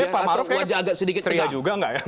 pak maruf kayaknya ceria juga nggak ya